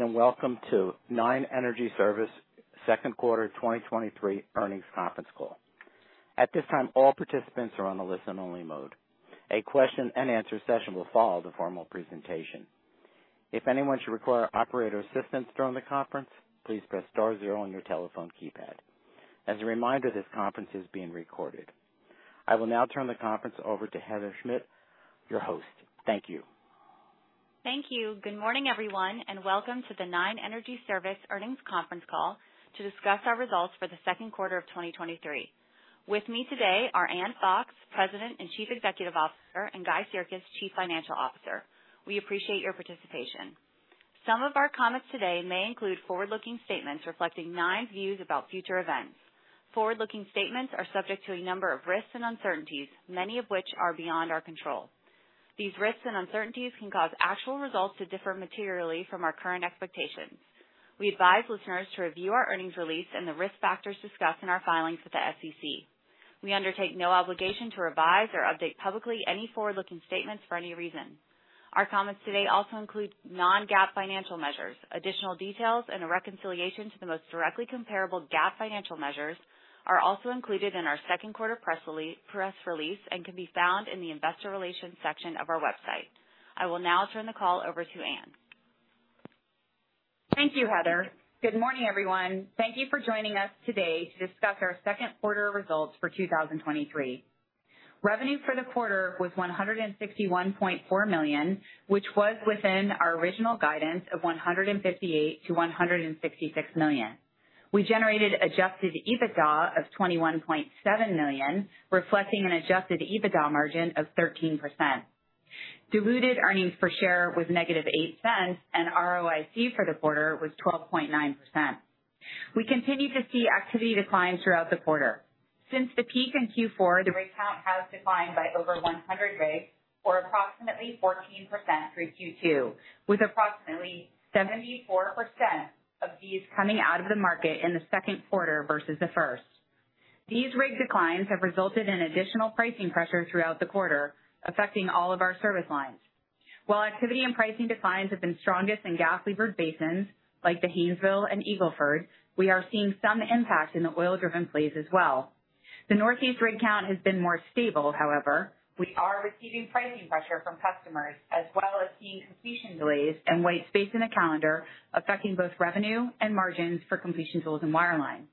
Welcome to Nine Energy Service second quarter 2023 earnings conference call. At this time, all participants are on a listen-only mode. A question-and-answer session will follow the formal presentation. If anyone should require operator assistance during the conference, please press star zero on your telephone keypad. As a reminder, this conference is being recorded. I will now turn the conference over to Heather Schmidt, your host. Thank you. Thank you. Good morning, everyone, welcome to the Nine Energy Service earnings conference call to discuss our results for the second quarter of 2023. With me today are Ann Fox, President and Chief Executive Officer, and Guy Sirkes, Chief Financial Officer. We appreciate your participation. Some of our comments today may include forward-looking statements reflecting Nine's views about future events. Forward-looking statements are subject to a number of risks and uncertainties, many of which are beyond our control. These risks and uncertainties can cause actual results to differ materially from our current expectations. We advise listeners to review our earnings release and the risk factors discussed in our filings with the SEC. We undertake no obligation to revise or update publicly any forward-looking statements for any reason. Our comments today also include Non-GAAP financial measures. Additional details and a reconciliation to the most directly comparable GAAP financial measures are also included in our second quarter press release and can be found in the investor relations section of our website. I will now turn the call over to Ann. Thank you, Heather. Good morning, everyone. Thank you for joining us today to discuss our second quarter results for 2023. Revenue for the quarter was $161.4 million, which was within our original guidance of $158 million-$166 million. We generated adjusted EBITDA of $21.7 million, reflecting an adjusted EBITDA margin of 13%. Diluted earnings per share was -$0.08. ROIC for the quarter was 12.9%. We continued to see activity decline throughout the quarter. Since the peak in Q4, the rig count has declined by over 100 rigs, or approximately 14% through Q2, with approximately 74% of these coming out of the market in the second quarter versus the first. These rig declines have resulted in additional pricing pressure throughout the quarter, affecting all of our service lines. While activity and pricing declines have been strongest in gas-levered basins like the Haynesville and Eagle Ford, we are seeing some impact in the oil-driven plays as well. The Northeast rig count has been more stable, however, we are receiving pricing pressure from customers, as well as seeing completion delays and white space in the calendar, affecting both revenue and margins for completion tools and wireline.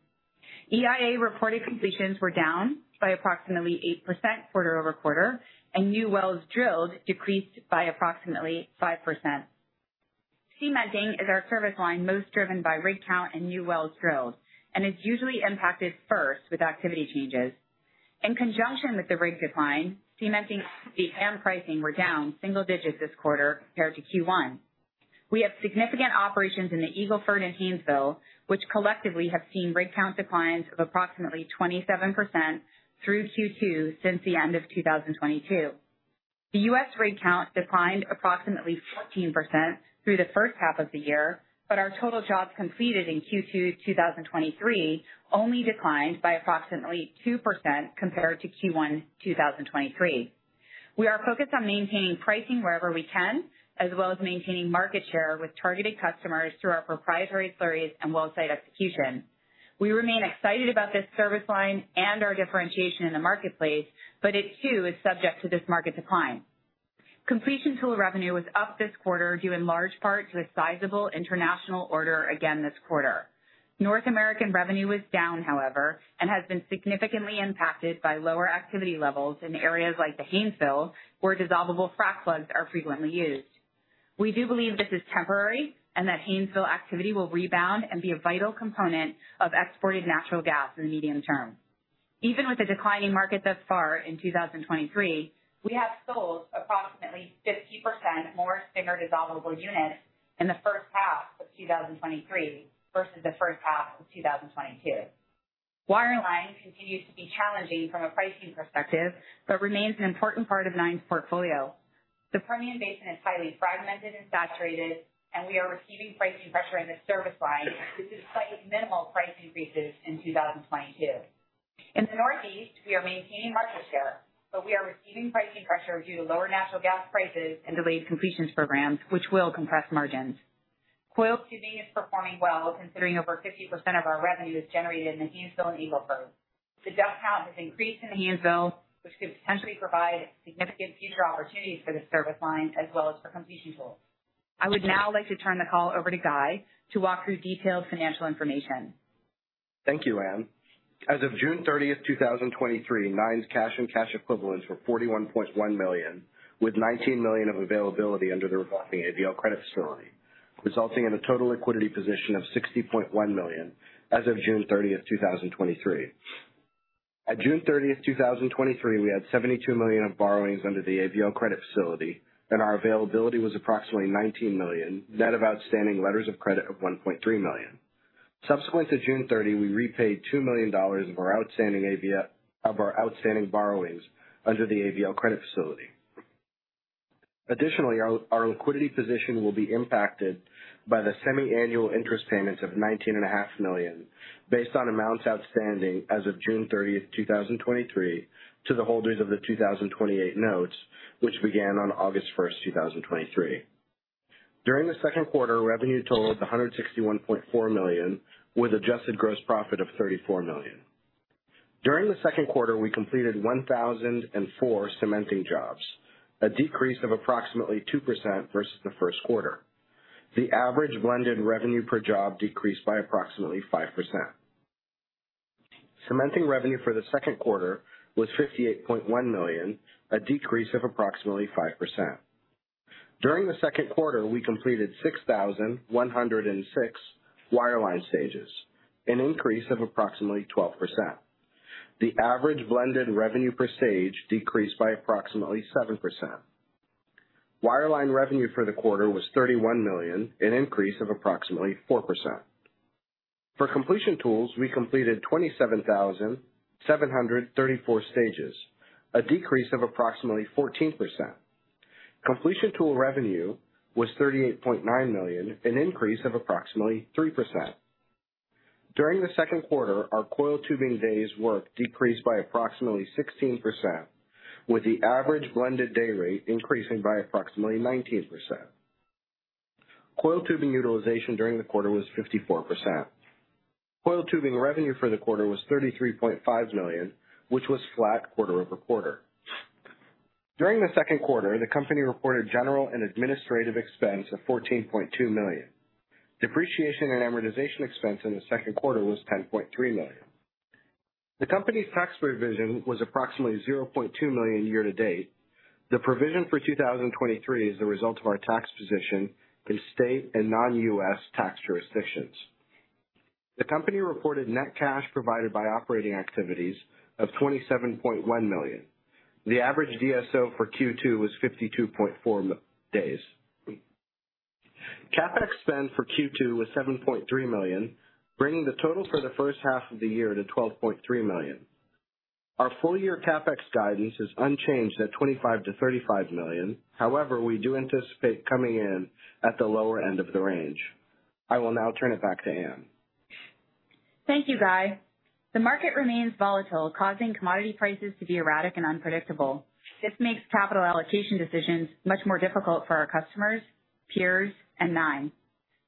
EIA reported completions were down by approximately 8% quarter-over-quarter, and new wells drilled decreased by approximately 5%. Cementing is our service line, most driven by rig count and new wells drilled, and is usually impacted first with activity changes. In conjunction with the rig decline, cementing activity and pricing were down single digits this quarter compared to Q1. We have significant operations in the Eagle Ford and Haynesville, which collectively have seen rig count declines of approximately 27% through Q2 since the end of 2022. The US rig count declined approximately 14% through the first half of the year, but our total jobs completed in Q2 2023 only declined by approximately 2% compared to Q1 2023. We are focused on maintaining pricing wherever we can, as well as maintaining market share with targeted customers through our proprietary slurries and well site execution. We remain excited about this service line and our differentiation in the marketplace, but it too, is subject to this market decline. Completion tool revenue was up this quarter, due in large part to a sizable international order again this quarter. North American revenue was down, however, and has been significantly impacted by lower activity levels in areas like the Haynesville, where dissolvable frac plugs are frequently used. We do believe this is temporary and that Haynesville activity will rebound and be a vital component of exported natural gas in the medium term. Even with the declining market thus far, in 2023, we have sold approximately 50% more Stinger dissolvable units in the first half of 2023 versus the first half of 2022. Wireline continues to be challenging from a pricing perspective, but remains an important part of Nine's portfolio. The Permian Basin is highly fragmented and saturated, and we are receiving pricing pressure in this service line, which is despite minimal price increases in 2022. In the Northeast, we are maintaining market share, we are receiving pricing pressure due to lower natural gas prices and delayed completions programs, which will compress margins. Coiled tubing is performing well, considering over 50% of our revenue is generated in the Haynesville and Eagle Ford. The DUC count has increased in the Haynesville, which could potentially provide significant future opportunities for the service line as well as for completion tools. I would now like to turn the call over to Guy to walk through detailed financial information. Thank you, Ann. As of June 30th, 2023, Nine's cash and cash equivalents were $41.1 million, with $19 million of availability under the revolving ABL credit facility, resulting in a total liquidity position of $60.1 million as of June 30th, 2023. At June 30th, 2023, we had $72 million of borrowings under the ABL credit facility, and our availability was approximately $19 million, net of outstanding letters of credit of $1.3 million. Subsequent to June 30, we repaid $2 million of our outstanding borrowings under the ABL credit facility. Additionally, our liquidity position will be impacted by the semiannual interest payments of $19.5 million based on amounts outstanding as of June 30th, 2023, to the holders of the 2028 Notes which began on August 1st, 2023. During the second quarter, revenue totaled $161.4 million, with adjusted gross profit of $34 million. During the second quarter, we completed 1,004 cementing jobs, a decrease of approximately 2% versus the first quarter. The average blended revenue per job decreased by approximately 5%. Cementing revenue for the second quarter was $58.1 million, a decrease of approximately 5%. During the second quarter, we completed 6,106 wireline stages, an increase of approximately 12%. The average blended revenue per stage decreased by approximately 7%. Wireline revenue for the quarter was $31 million, an increase of approximately 4%. For completion tools, we completed 27,734 stages, a decrease of approximately 14%. Completion tool revenue was $38.9 million, an increase of approximately 3%. During the second quarter, our coiled tubing days work decreased by approximately 16%, with the average blended day rate increasing by approximately 19%. Coiled tubing utilization during the quarter was 54%. Coiled tubing revenue for the quarter was $33.5 million, which was flat quarter-over-quarter. During the second quarter, the company reported general and administrative expense of $14.2 million. Depreciation and amortization expense in the second quarter was $10.3 million. The company's tax provision was approximately $0.2 million year to date. The provision for 2023 is the result of our tax position in state and non-US tax jurisdictions. The company reported net cash provided by operating activities of $27.1 million. The average DSO for Q2 was 52.4 days. CapEx spend for Q2 was $7.3 million, bringing the total for the first half of the year to $12.3 million. Our full year CapEx guidance is unchanged at $25 million-$35 million. We do anticipate coming in at the lower end of the range. I will now turn it back to Ann. Thank you, Guy. The market remains volatile, causing commodity prices to be erratic and unpredictable. This makes capital allocation decisions much more difficult for our customers, peers, and Nine.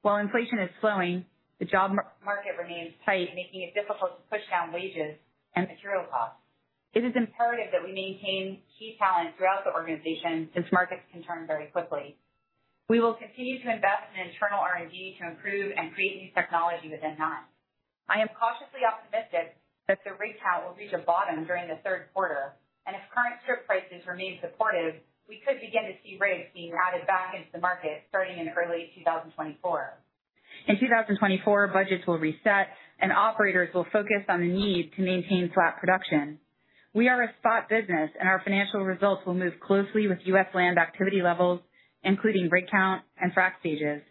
While inflation is slowing, the job market remains tight, making it difficult to push down wages and material costs. It is imperative that we maintain key talent throughout the organization, since markets can turn very quickly. We will continue to invest in internal R&D to improve and create new technology within Nine. I am cautiously optimistic that the rig count will reach a bottom during the third quarter, and if current strip prices remain supportive, we could begin to see rigs being added back into the market starting in early 2024. In 2024, budgets will reset, and operators will focus on the need to maintain flat production. We are a spot business, and our financial results will move closely with US land activity levels, including rig count and frac stages.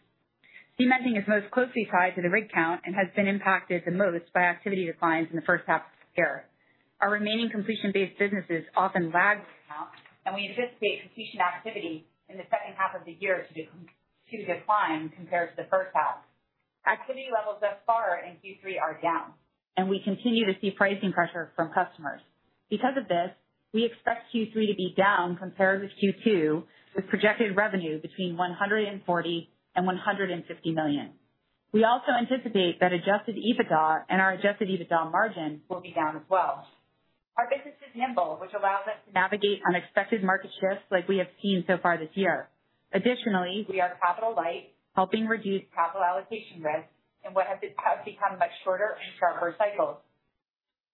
cementing is most closely tied to the rig count and has been impacted the most by activity declines in the first half of this year. Our remaining completion-based businesses often lag rig count, and we anticipate completion activity in the second half of the year to decline compared to the first half. Activity levels thus far in Q3 are down, and we continue to see pricing pressure from customers. Because of this, we expect Q3 to be down compared with Q2, with projected revenue between $140 million and $150 million. We also anticipate that adjusted EBITDA and our adjusted EBITDA margin will be down as well. Our business is nimble, which allows us to navigate unexpected market shifts like we have seen so far this year. Additionally, we are capital light, helping reduce capital allocation risk in what has become much shorter and sharper cycles.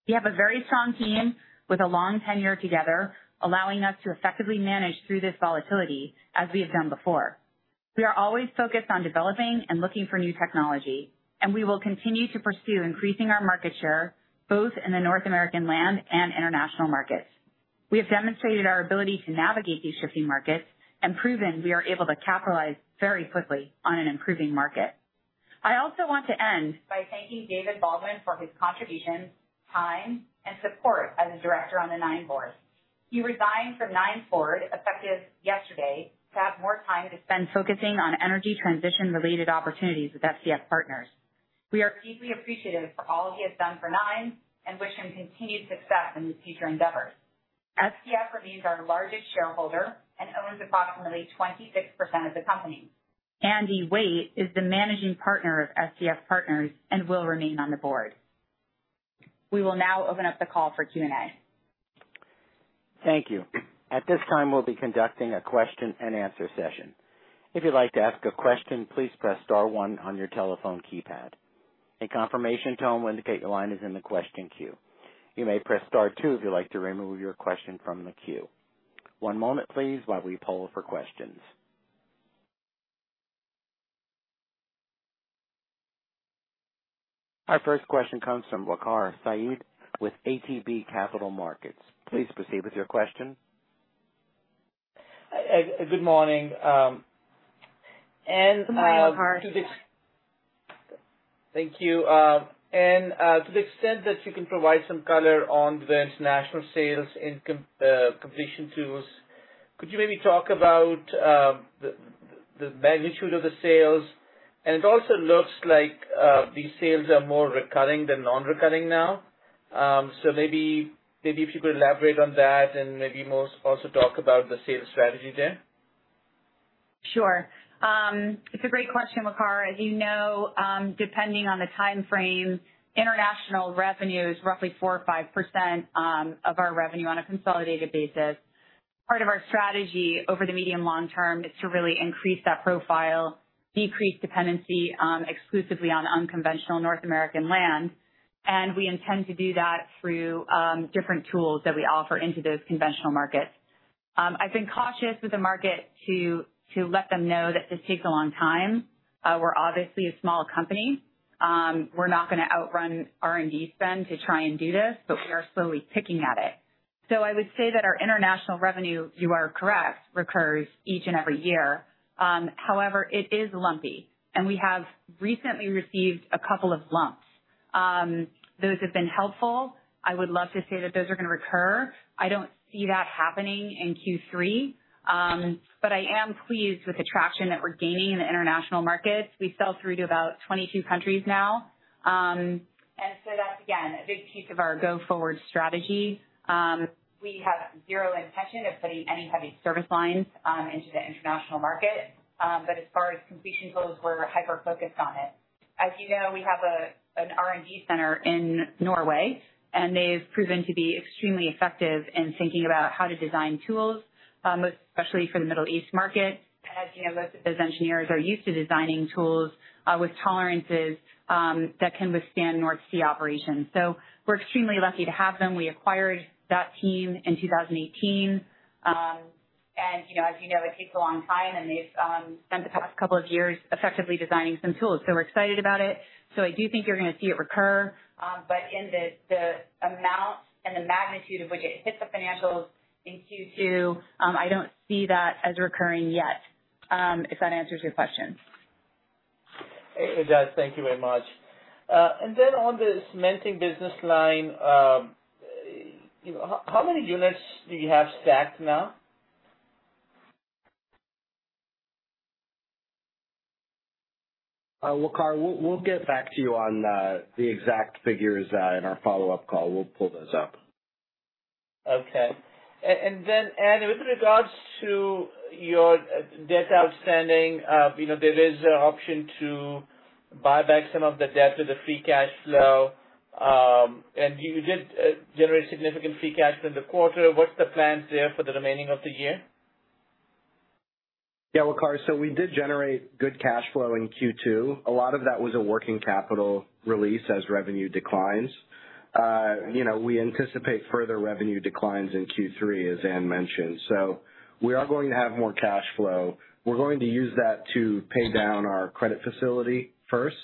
We have a very strong team with a long tenure together, allowing us to effectively manage through this volatility as we have done before. We are always focused on developing and looking for new technology, and we will continue to pursue increasing our market share, both in the North American land and international markets. We have demonstrated our ability to navigate these shifting markets and proven we are able to capitalize very quickly on an improving market. I also want to end by thanking David Baldwin for his contributions, time, and support as a director on the Nine board. He resigned from Nine forward, effective yesterday, to have more time to spend focusing on energy transition-related opportunities with SCF Partners. We are deeply appreciative for all he has done for Nine and wish him continued success in his future endeavors. SCF remains our largest shareholder and owns approximately 26% of the company. Andy Waite is the Managing Partner of SCF Partners and will remain on the board. We will now open up the call for Q&A. Thank you. At this time, we'll be conducting a question-and-answer session. If you'd like to ask a question, please press star one on your telephone keypad. A confirmation tone will indicate your line is in the question queue. You may press star two if you'd like to remove your question from the queue. One moment, please, while we poll for questions. Our first question comes from Waqar Syed with ATB Capital Markets. Please proceed with your question. Good morning. Good morning, Waqar. Thank you. To the extent that you can provide some color on the international sales in completion tools, could you maybe talk about?... the magnitude of the sales, and it also looks like these sales are more recurring than non-recurring now. Maybe, maybe if you could elaborate on that and maybe most also talk about the sales strategy there. Sure. It's a great question, Waqar. As you know, depending on the time frame, international revenue is roughly 4% or 5% of our revenue on a consolidated basis. Part of our strategy over the medium long term is to really increase that profile, decrease dependency, exclusively on unconventional North American land. We intend to do that through different tools that we offer into those conventional markets. I've been cautious with the market to, to let them know that this takes a long time. We're obviously a small company. We're not gonna outrun R&D spend to try and do this, but we are slowly picking at it. I would say that our international revenue, you are correct, recurs each and every year. However, it is lumpy, and we have recently received a couple of lumps. Those have been helpful. I would love to say that those are gonna recur. I don't see that happening in Q3, but I am pleased with the traction that we're gaining in the international markets. We sell through to about 22 countries now. That's, again, a big piece of our go-forward strategy. We have zero intention of putting any heavy service lines into the international market. As far as completion goes, we're hyper-focused on it. As you know, we have a, an R&D center in Norway, and they've proven to be extremely effective in thinking about how to design tools, especially for the Middle East market. As you know, those, those engineers are used to designing tools with tolerances that can withstand North Sea operations. We're extremely lucky to have them. We acquired that team in 2018. You know, as you know, it takes a long time, and they've, spent the past couple of years effectively designing some tools, so we're excited about it. I do think you're gonna see it recur, but in the, the amount and the magnitude of which it hit the financials in Q2, I don't see that as recurring yet. If that answers your question. It does. Thank you very much. Then on the cementing business line, you know, how many units do you have stacked now? Waqar, we'll, we'll get back to you on the exact figures in our follow-up call. We'll pull those up. Okay. Then, Ann, with regards to your debt outstanding, you know, there is an option to buy back some of the debt with the free cash flow. You did generate significant free cash flow in the quarter. What's the plans there for the remaining of the year? Yeah, Waqar, we did generate good cash flow in Q2. A lot of that was a working capital release as revenue declines. You know, we anticipate further revenue declines in Q3, as Ann mentioned. We are going to have more cash flow. We're going to use that to pay down our credit facility first,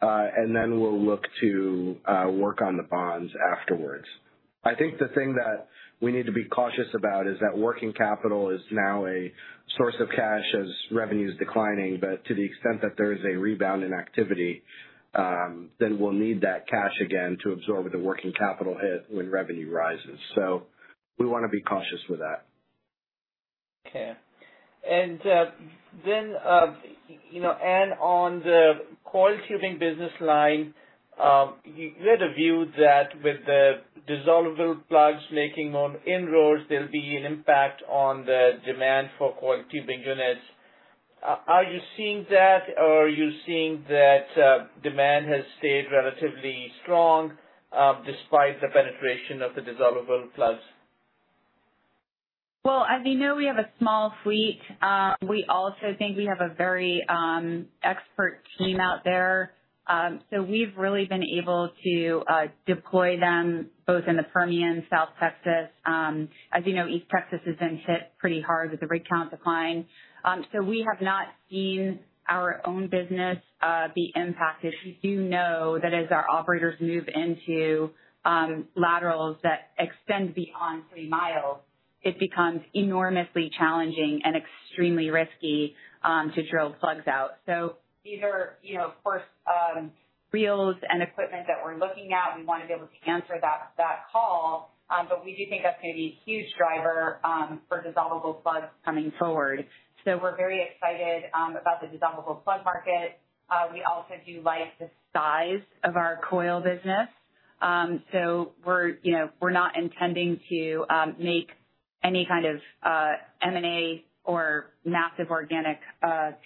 then we'll look to work on the bonds afterwards. I think the thing that we need to be cautious about is that working capital is now a source of cash as revenue is declining. To the extent that there is a rebound in activity, then we'll need that cash again to absorb the working capital hit when revenue rises. We wanna be cautious with that. Okay. Then, you know, Ann, on the coiled tubing business line, you had a view that with the dissolvable plugs making more inroads, there'll be an impact on the demand for coiled tubing units. Are you seeing that or are you seeing that demand has stayed relatively strong despite the penetration of the dissolvable plugs? Well, as you know, we have a small fleet. We also think we have a very expert team out there. We've really been able to deploy them both in the Permian South Texas. As you know, East Texas has been hit pretty hard with the rig count decline. We have not seen our own business be impacted. We do know that as our operators move into laterals that extend beyond three miles, it becomes enormously challenging and extremely risky to drill plugs out. These are, you know, of course, reels and equipment that we're looking at. We wanna be able to answer that, that call, we do think that's gonna be a huge driver for dissolvable plugs coming forward. We're very excited about the dissolvable plug market. We also do like the size of our coil business. We're, you know, we're not intending to make any kind of M&A or massive organic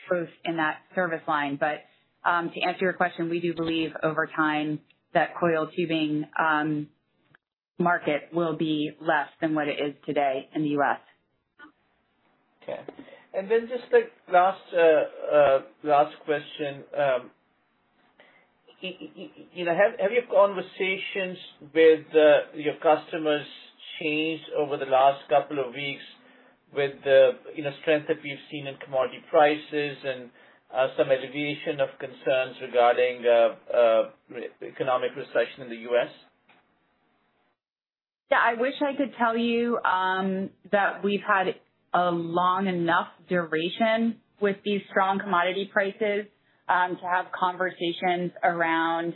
growth in that service line. To answer your question, we do believe over time, that coil tubing market will be less than what it is today in the US. Okay, then just a last, last question. You know, have, have your conversations with your customers changed over the last couple of weeks with the, you know, strength that we've seen in commodity prices and some alleviation of concerns regarding economic recession in the US? Yeah, I wish I could tell you, that we've had a long enough duration with these strong commodity prices, to have conversations around,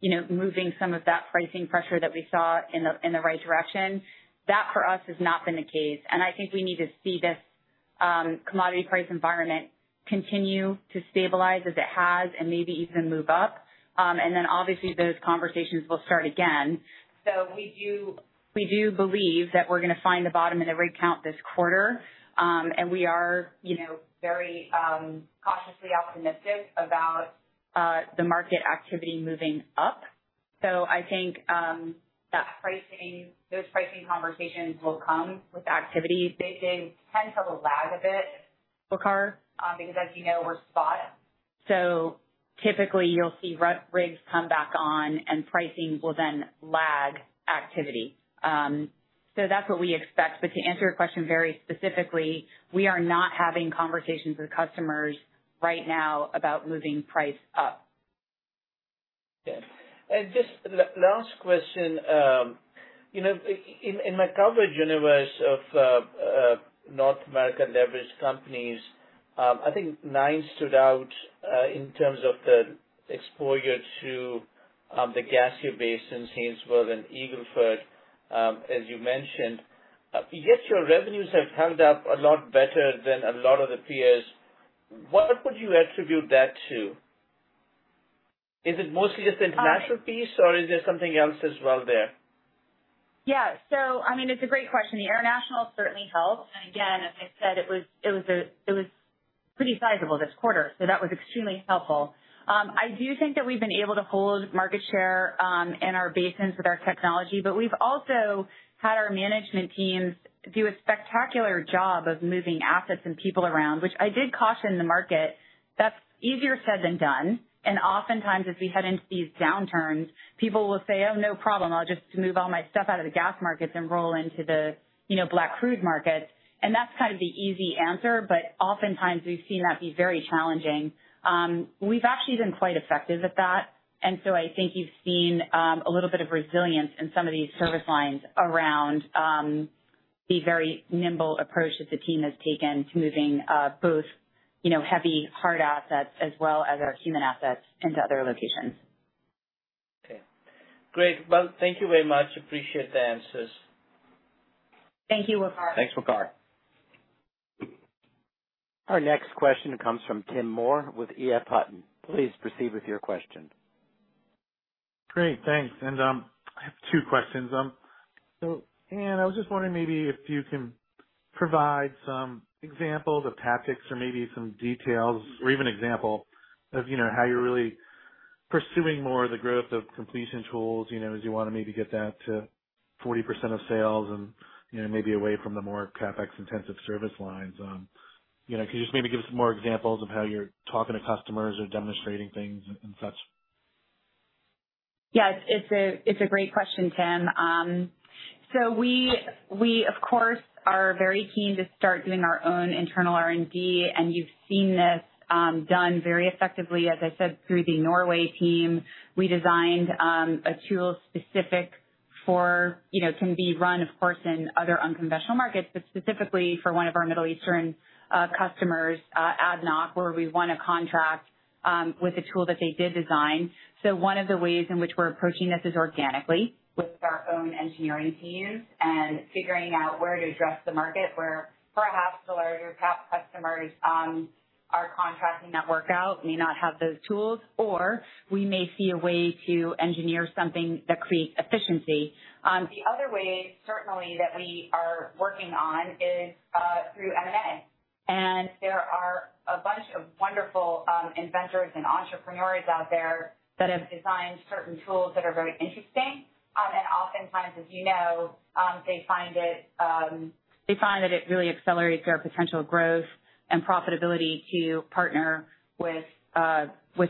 you know, moving some of that pricing pressure that we saw in the, in the right direction. That, for us, has not been the case, and I think we need to see this commodity price environment continue to stabilize as it has and maybe even move up. Obviously, those conversations will start again. We do, we do believe that we're gonna find the bottom in the rig count this quarter. We are, you know, very cautiously optimistic about the market activity moving up. I think that pricing, those pricing conversations will come with activity. They do tend to lag a bit, Waqar, because as you know, we're spot. Typically you'll see rigs come back on, and pricing will then lag activity. That's what we expect. To answer your question very specifically, we are not having conversations with customers right now about moving price up. Okay. Just last question, you know, in my coverage universe of North American leveraged companies, I think Nine stood out in terms of the exposure to the gasier basins, Haynesville and Eagle Ford, as you mentioned. Yet your revenues have held up a lot better than a lot of the peers. What would you attribute that to? Is it mostly just the international piece, or is there something else as well there? Yeah. I mean, it's a great question. The international certainly helps, and again, as I said, it was, it was a, it was pretty sizable this quarter, so that was extremely helpful. I do think that we've been able to hold market share, in our basins with our technology, but we've also had our management teams do a spectacular job of moving assets and people around, which I did caution the market. That's easier said than done, oftentimes as we head into these downturns, people will say: "Oh, no problem, I'll just move all my stuff out of the gas markets and roll into the, you know, black crude markets." That's kind of the easy answer, but oftentimes we've seen that be very challenging. we've actually been quite effective at that, and so I think you've seen a little bit of resilience in some of these service lines around the very nimble approach that the team has taken to moving both, you know, heavy, hard assets as well as our human assets into other locations. Okay, great. Thank you very much. Appreciate the answers. Thank you, Waqar. Thanks, Waqar. Our next question comes from Tim Moore with EF Hutton. Please proceed with your question. Great, thanks. I have two questions. Ann, I was just wondering maybe if you can provide some examples of tactics or maybe some details or even example of, you know, how you're really pursuing more of the growth of completion tools, you know, as you want to maybe get that to 40% of sales and, you know, maybe away from the more CapEx-intensive service lines. You know, could you just maybe give us some more examples of how you're talking to customers or demonstrating things and such? Yes, it's a great question, Tim. We, of course, are very keen to start doing our own internal R&D, and you've seen this done very effectively, as I said, through the Norway team. We designed a tool specific for You know, can be run, of course, in other unconventional markets, but specifically for one of our Middle Eastern customers, ADNOC, where we won a contract with a tool that they did design. One of the ways in which we're approaching this is organically, with our own engineering teams and figuring out where to address the market, where perhaps the larger cap customers are contracting that work out may not have those tools, or we may see a way to engineer something that creates efficiency. The other way, certainly, that we are working on is through M&A. There are a bunch of wonderful inventors and entrepreneurs out there that have designed certain tools that are very interesting. Oftentimes, as you know, they find that it really accelerates their potential growth and profitability to partner with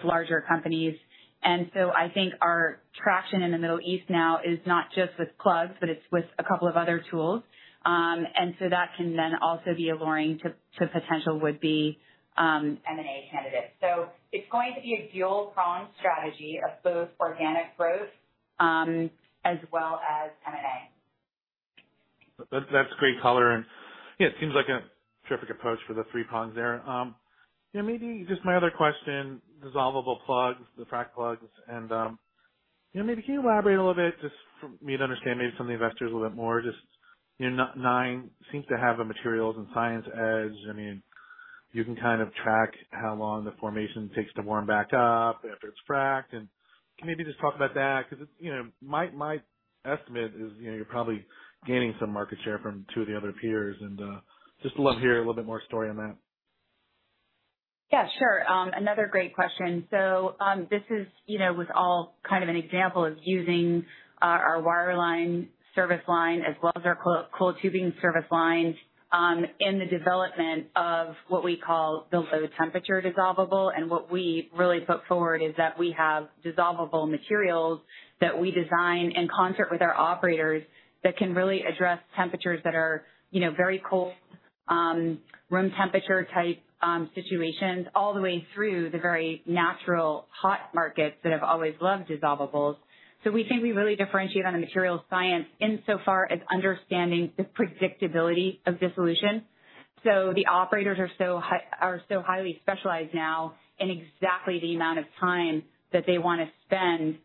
larger companies. I think our traction in the Middle East now is not just with plugs, but it's with a couple of other tools. That can then also be alluring to potential would-be M&A candidates. It's going to be a dual-pronged strategy of both organic growth as well as M&A. That, that's great color. Yeah, it seems like a terrific approach for the three prongs there. You know, maybe just my other question, dissolvable plugs, the frac plugs. You know, maybe can you elaborate a little bit, just for me to understand, maybe some of the investors a little bit more, just, you know, Nine seems to have a materials and science edge? I mean, you can kind of track how long the formation takes to warm back up after it's fracked. Can you maybe just talk about that? Because, you know, my, my estimate is, you know, you're probably gaining some market share from two of the other peers, and, just love to hear a little bit more story on that. Yeah, sure. Another great question. This is, you know, was all kind of an example of using our wireline service line, as well as our coiled tubing service line, in the development of what we call built for the temperature dissolvable. What we really put forward is that we have dissolvable materials that we design in concert with our operators that can really address temperatures that are, you know, very cold, room temperature-type situations, all the way through the very natural hot markets that have always loved dissolvables. We think we really differentiate on the material science insofar as understanding the predictability of dissolution. The operators are so highly specialized now in exactly the amount of time that they want to spend,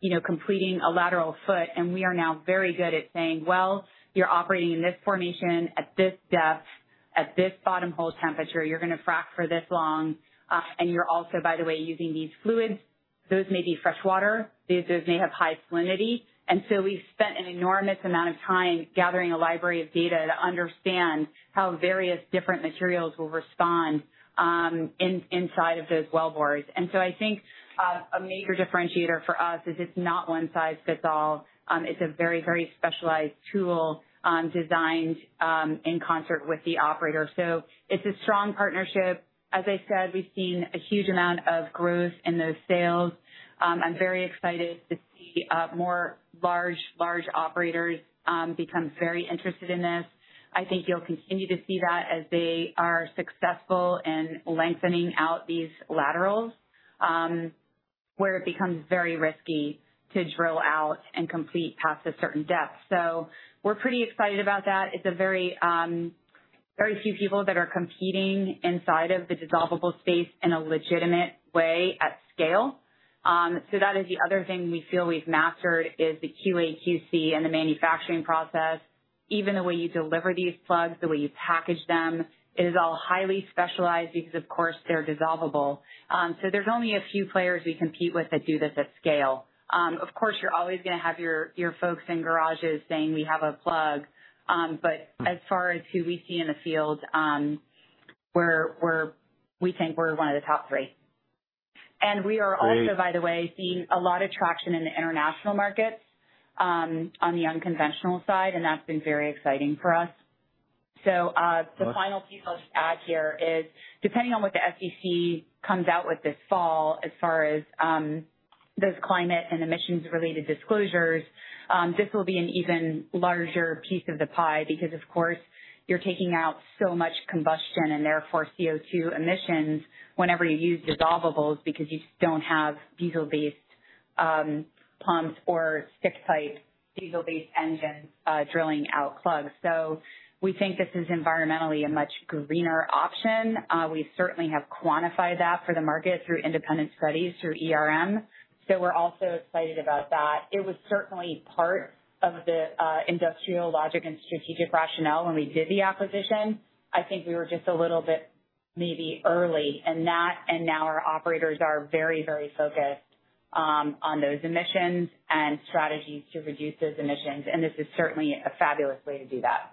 you know, completing a lateral foot. We are now very good at saying, "Well, you're operating in this formation at this depth, at this bottom hole temperature. You're gonna frack for this long, and you're also, by the way, using these fluids." Those may be fresh water. Those, those may have high salinity. So we've spent an enormous amount of time gathering a library of data to understand how various different materials will respond, inside of those wellbores. So I think, a major differentiator for us is it's not one size fits all. It's a very, very specialized tool, designed, in concert with the operator. So it's a strong partnership. As I said, we've seen a huge amount of growth in those sales. I'm very excited to see, more large, large operators, become very interested in this. I think you'll continue to see that as they are successful in lengthening out these laterals, where it becomes very risky to drill out and complete past a certain depth. We're pretty excited about that. It's a very, very few people that are competing inside of the dissolvable space in a legitimate way at scale. That is the other thing we feel we've mastered is the QA/QC and the manufacturing process. Even the way you deliver these plugs, the way you package them, it is all highly specialized because, of course, they're dissolvable. There's only a few players we compete with that do this at scale. Of course, you're always gonna have your, your folks in garages saying, "We have a plug." But as far as who we see in the field, we're, we're we think we're one of the top three. We are also, by the way, seeing a lot of traction in the international markets, on the unconventional side, and that's been very exciting for us. The final piece I'll just add here is, depending on what the SEC comes out with this fall, as far as, those climate and emissions-related disclosures, this will be an even larger piece of the pie. Because, of course, you're taking out so much combustion and therefore CO2 emissions whenever you use dissolvables, because you just don't have diesel-based pumps or stick-type diesel-based engines drilling out plugs. We think this is environmentally a much greener option. We certainly have quantified that for the market through independent studies, through ERM. We're also excited about that. It was certainly part of the industrial logic and strategic rationale when we did the acquisition. I think we were just a little bit maybe early, and now our operators are very, very focused on those emissions and strategies to reduce those emissions. This is certainly a fabulous way to do that.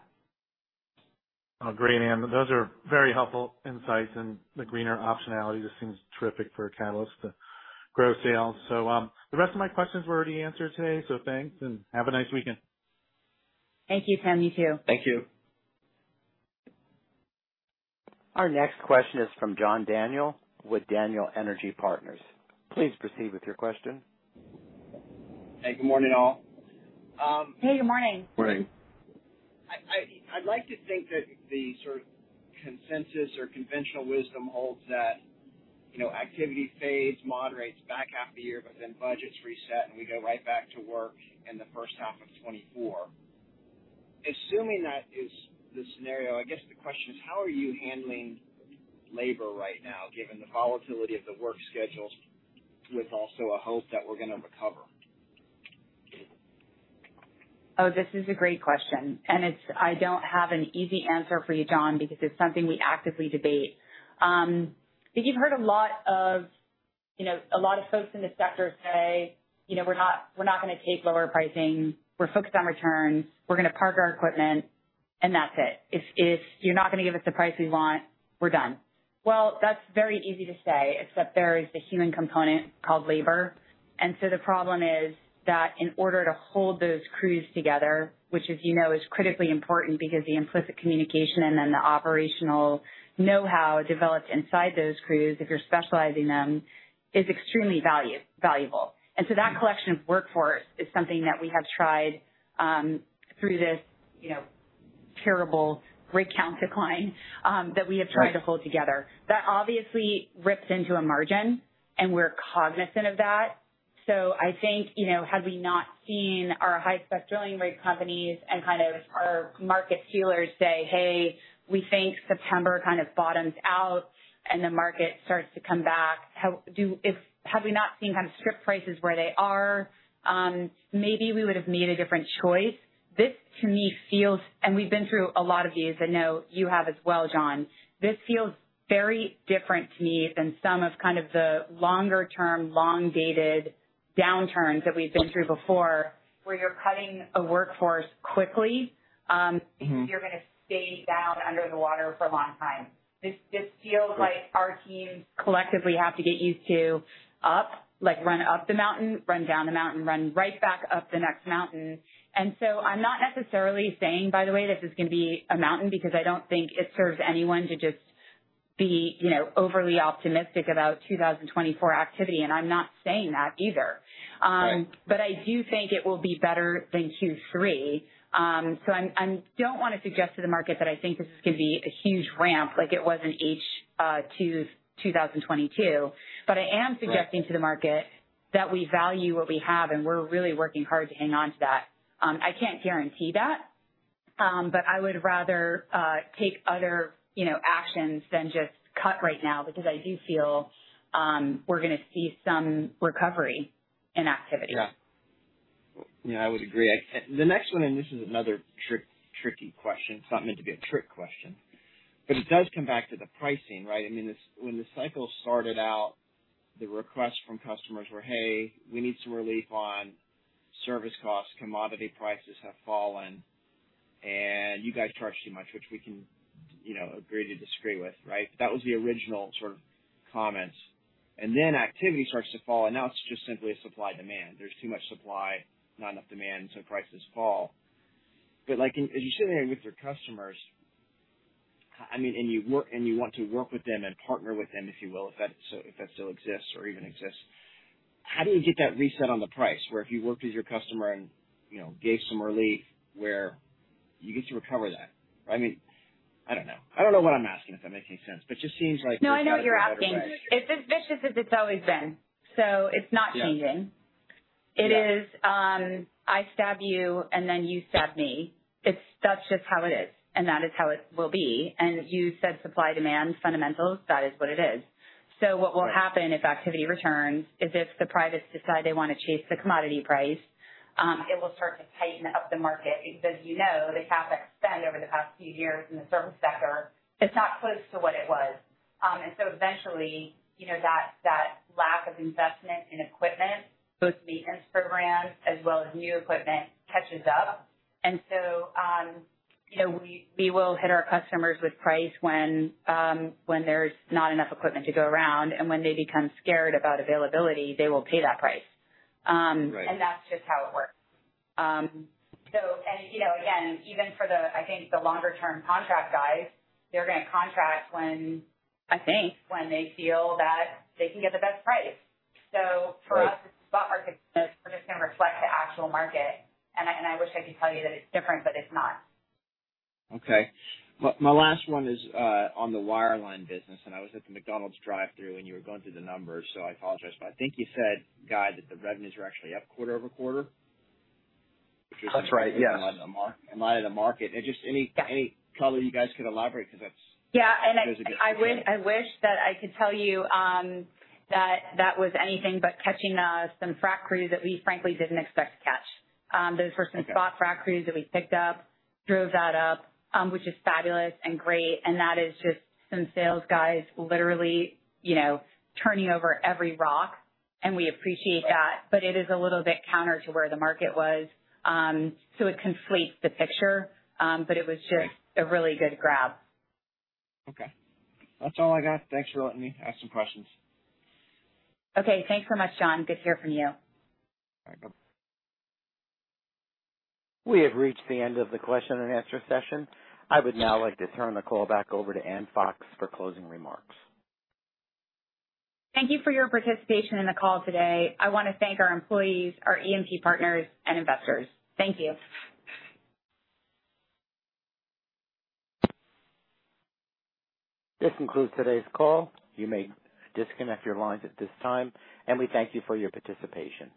Oh, great, Ann. Those are very helpful insights. The greener optionality just seems terrific for catalyst to grow sales. The rest of my questions were already answered today, so thanks, and have a nice weekend. Thank you, Sam. You, too. Thank you. Our next question is from John Daniel with Daniel Energy Partners. Please proceed with your question. Hey, good morning, all. Hey, good morning. Good morning. I'd like to think that the sort of consensus or conventional wisdom holds that, you know, activity fades, moderates back half of the year, but then budgets reset, and we go right back to work in the first half of 2024. Assuming that is the scenario, I guess the question is: How are you handling labor right now, given the volatility of the work schedules, with also a hope that we're gonna recover? Oh, this is a great question. It's I don't have an easy answer for you, John, because it's something we actively debate. I think you've heard a lot of, you know, a lot of folks in this sector say, "You know, we're not, we're not gonna take lower pricing. We're focused on returns. We're gonna park our equipment, and that's it. If, if you're not gonna give us the price we want, we're done." Well, that's very easy to say, except there is a human component called labor. The problem is that in order to hold those crews together, which, as you know, is critically important because the implicit communication and then the operational know-how developed inside those crews, if you're specializing them, is extremely value, valuable. So that collection of workforce is something that we have tried, through this, you know, terrible rig count decline, that we have tried to hold together. That obviously rips into a margin, and we're cognizant of that. I think, you know, had we not seen our high-spec drilling rig companies and kind of our market feelers say, "Hey, we think September kind of bottoms out, and the market starts to come back," had we not seen kind of strip prices where they are, maybe we would have made a different choice. This, to me, feels. We've been through a lot of these, and know you have as well, John. This feels very different to me than some of, kind of, the longer-term, long-dated downturns that we've been through before, where you're cutting a workforce quickly. Mm-hmm. Because you're gonna stay down under the water for a long time. This, this feels like our teams collectively have to get used to up, like, run up the mountain, run down the mountain, run right back up the next mountain. So I'm not necessarily saying, by the way, that this is gonna be a mountain, because I don't think it serves anyone to just be, you know, overly optimistic about 2024 activity. I'm not saying that either. Right. I do think it will be better than Q3. I don't want to suggest to the market that I think this is going to be a huge ramp like it was in 2022. I am suggesting to the market that we value what we have, and we're really working hard to hang on to that. I can't guarantee that, but I would rather take other, you know, actions than just cut right now, because I do feel we're going to see some recovery in activity. Yeah. Yeah, I would agree. I, the next one, this is another tricky question. It's not meant to be a trick question, but it does come back to the pricing, right? I mean, this, when the cycle started out, the requests from customers were, "Hey, we need some relief on service costs. Commodity prices have fallen, and you guys charge too much," which we can, you know, agree to disagree with, right? That was the original sort of comments. Then activity starts to fall, and now it's just simply a supply/demand. There's too much supply, not enough demand, so prices fall. Like, and as you're sitting there with your customers, I, I mean, and you work and you want to work with them and partner with them, if you will, if that still, if that still exists or even exists. How do you get that reset on the price where if you worked with your customer and, you know, gave some relief, where you get to recover that? I mean, I don't know. I don't know what I'm asking, if that makes any sense, but just seems like- No, I know what you're asking. It's as vicious as it's always been, so it's not changing. Yeah. It is, I stab you, and then you stab me. It's. That's just how it is, and that is how it will be. You said supply/demand fundamentals. That is what it is. Right. What will happen if activity returns is, if the privates decide they want to chase the commodity price, it will start to tighten up the market. You know, the CapEx over the past few years in the service sector is not close to what it was. Eventually, you know, that, that lack of investment in equipment, both maintenance programs as well as new equipment, catches up. You know, we, we will hit our customers with price when, when there's not enough equipment to go around, and when they become scared about availability, they will pay that price. Right. That's just how it works. You know, again, even for the, I think, the longer term contract guys, they're gonna contract I think, when they feel that they can get the best price. Right. For us, it's about market. We're just gonna reflect the actual market, and I wish I could tell you that it's different, but it's not. Okay. My, my last one is, on the wireline business, I was at the McDonald's drive-through when you were going through the numbers, so I apologize. I think you said, Guy, that the revenues are actually up quarter-over-quarter? That's right, yes. In light of the market. Yeah... any color you guys could elaborate, because that's- Yeah, I, I wish, I wish that I could tell you, that that was anything but catching some frac crews that we frankly didn't expect to catch. Those were- Okay - some spot frac crews that we picked up, drove that up, which is fabulous and great, and that is just some sales guys literally, you know, turning over every rock, and we appreciate that. Right. It is a little bit counter to where the market was. It completes the picture, it was just- Right a really good grab. Okay. That's all I got. Thanks for letting me ask some questions. Okay, thanks so much, John. Good to hear from you. Bye, bye. We have reached the end of the question and answer session. I would now like to turn the call back over to Ann Fox for closing remarks. Thank you for your participation in the call today. I want to thank our employees, our E&P partners and investors. Thank you. This concludes today's call. You may disconnect your lines at this time, and we thank you for your participation.